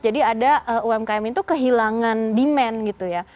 jadi ada umkm itu kehilangan demand gitu ya